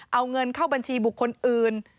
เอาเงินเข้าบัญชีบุคคลอื่น